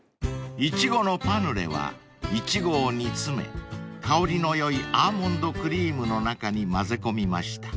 ［苺のパヌレはイチゴを煮詰め香りのよいアーモンドクリームの中に混ぜ込みました］